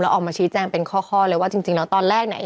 ออกมาชี้แจงเป็นข้อเลยว่าจริงแล้วตอนแรกเนี่ย